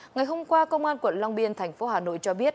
ngày hôm qua công an quận long biên thành phố hà nội cho biết